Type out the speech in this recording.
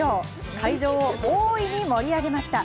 会場を大いに盛り上げました。